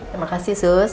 terima kasih sus